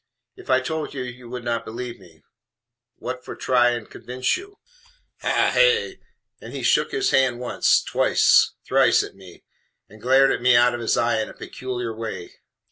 If I told you you would not believe me. What for try and convinz you? Ha hey?" And he shook his hand once, twice, thrice, at me, and glared at me out of his eye in a peculiar way.